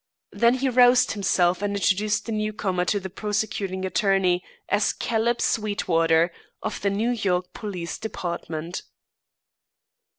Then he roused himself and introduced the newcomer to the prosecuting attorney as Caleb Sweetwater, of the New York police department.